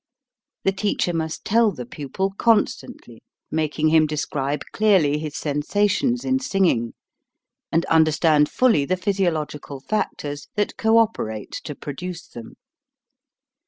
The teacher must tell the pupil constantly, making him describe clearly his sensations in singing, and understand fully the physiological fac tors that cooperate to produce them.